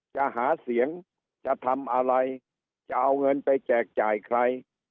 จะหาเสียงจะทำอะไรจะเอาเงินไปแจกจ่ายใคร